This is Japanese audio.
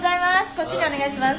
こっちにお願いします。